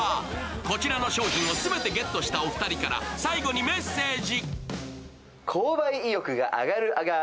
こちらの商品を全てゲットしたお二人から最後にメッセージ。